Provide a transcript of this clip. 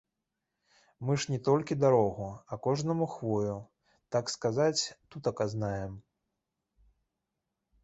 Мы ж не толькі дарогу, а кожную хвою, так сказаць, тутака знаем.